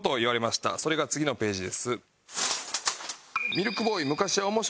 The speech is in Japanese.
それが次のページです。